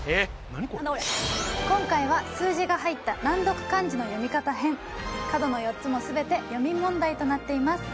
何これ今回は数字が入った難読漢字の読み方編角の４つも全て読み問題となっています